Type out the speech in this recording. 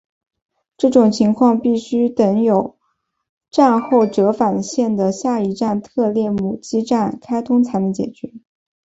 这种情况必须等有站后折返线的下一站特列姆基站开通才能解决。